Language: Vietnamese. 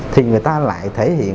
thì người ta lại thể hiện